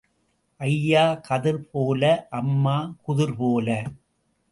ஐயா கதிர் போல அம்மா குதிர் போல.